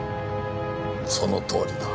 そのとおりだ。